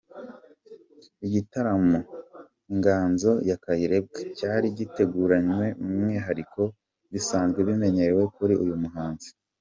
Igitaramo ‘Inganzo ya Kayirebwa’ cyari giteguranywe umwihariko bisanzwe bimenyerewe kuri uyu muhanzi.